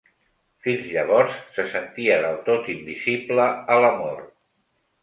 Fins llavors, se sentia del tot invisible a l'amor.